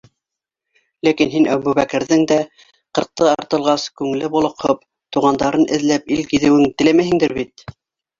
Ләкин һин Әбүбәкерҙең дә, ҡырҡты артылғас, күңеле болоҡһоп, туғандарын эҙләп ил гиҙеүен теләмәйһеңдер бит?